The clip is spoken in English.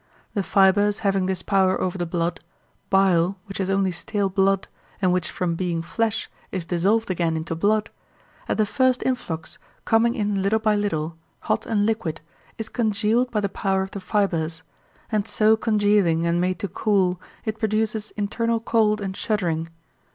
The fibres having this power over the blood, bile, which is only stale blood, and which from being flesh is dissolved again into blood, at the first influx coming in little by little, hot and liquid, is congealed by the power of the fibres; and so congealing and made to cool, it produces internal cold and shuddering.